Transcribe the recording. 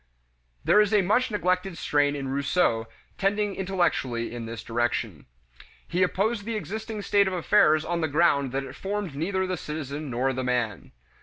1 There is a much neglected strain in Rousseau tending intellectually in this direction. He opposed the existing state of affairs on the ground that it formed neither the citizen nor the man.